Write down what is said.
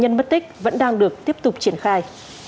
hiện vụ việc đang được tiếp tục triển khai